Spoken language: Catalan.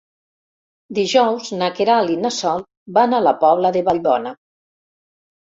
Dijous na Queralt i na Sol van a la Pobla de Vallbona.